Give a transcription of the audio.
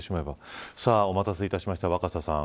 お待たせしました、若狭さん。